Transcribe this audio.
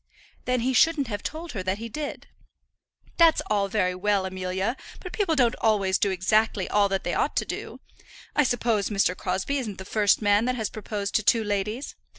"Then he shouldn't have told her that he did." "That's all very well, Amelia; but people don't always do exactly all that they ought to do. I suppose Mr. Crosbie isn't the first man that has proposed to two ladies.